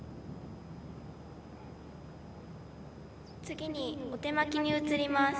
次にお手播きに移ります。